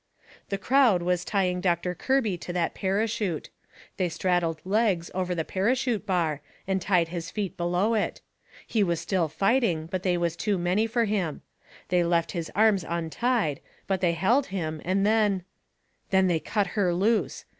The crowd was tying Doctor Kirby to that parachute. They straddled legs over the parachute bar, and tied his feet below it. He was still fighting, but they was too many fur him. They left his arms untied, but they held 'em, and then Then they cut her loose.